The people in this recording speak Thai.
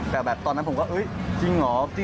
แต่แบบตอนนั้นผมก็จริงเหรอ